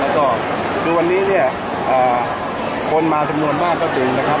คือวันนี้คนมาจำนวนมากก็ดูนะครับ